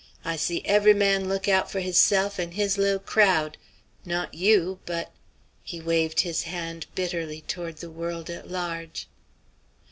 I see every man look out for hisself and his li'l' crowd. Not you, but" He waved his hand bitterly toward the world at large.